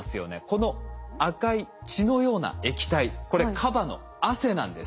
この赤い血のような液体これカバの汗なんです。